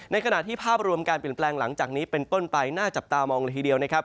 ขณะที่ภาพรวมการเปลี่ยนแปลงหลังจากนี้เป็นต้นไปน่าจับตามองละทีเดียวนะครับ